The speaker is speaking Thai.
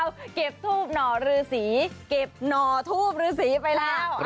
เอาเก็บทูบหน่อรือสีเก็บหน่อทูบฤษีไปแล้ว